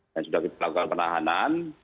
dan sudah kita lakukan penahanan